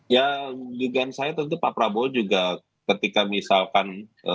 ya dugaan saya tentu pak prabowo juga ketika misalkan